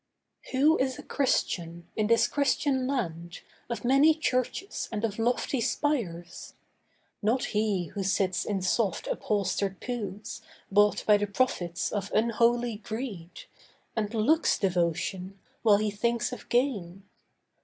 Who is a Christian in this Christian land Of many churches and of lofty spires? Not he who sits in soft upholstered pews Bought by the profits of unholy greed, And looks devotion, while he thinks of gain.